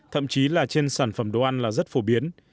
thậm chí là trên sản phẩm đồ ăn là rất phổ biến